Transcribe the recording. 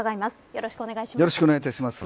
よろしくお願いします。